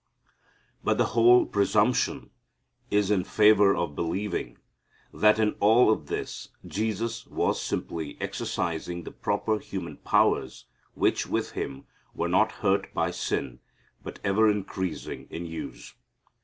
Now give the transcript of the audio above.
But the whole presumption is in favor of believing that in all of this Jesus was simply exercising the proper human powers which with Him were not hurt by sin but ever increasing in use.